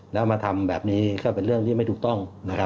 แล้วมาทำแบบนี้ก็เป็นเรื่องที่ไม่ถูกต้องนะครับ